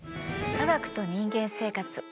「科学と人間生活」。